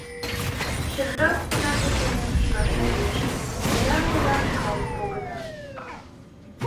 Чердак окна гыч уремыш раш коеш: олян-олян калык погына.